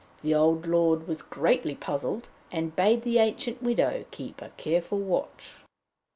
The old lord was greatly puzzled, and bade the ancient widow keep a careful watch.